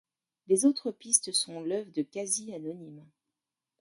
Les autres pistes sont l’œuvre de quasi-anonymes.